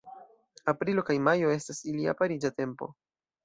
Aprilo kaj majo estas ilia pariĝa tempo.